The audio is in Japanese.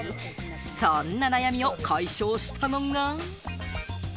そんな悩みを解消したのが。